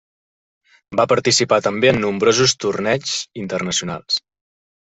Va participar també en nombrosos torneigs internacionals.